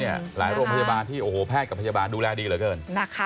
หลายโรงพยาบาลที่โอ้โหแพทย์กับพยาบาลดูแลดีเหลือเกิน